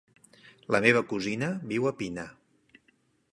La meva cosina viu a Pina.